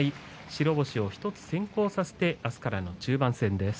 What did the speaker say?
白星を１つ先行させて明日からの中盤戦です。